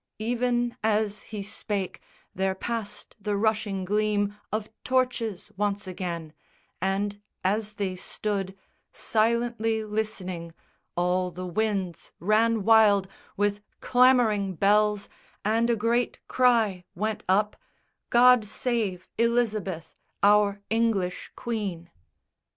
_" Even as he spake there passed the rushing gleam Of torches once again, and as they stood Silently listening, all the winds ran wild With clamouring bells, and a great cry went up _God save Elizabeth, our English Queen!